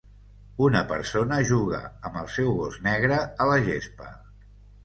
Una persona juga amb el seu gos negre a la gespa.